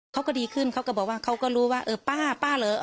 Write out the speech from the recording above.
เขาก็ดีขึ้นเขาก็บอกว่าเขาก็รู้ว่าเออป้าป้าเหรอ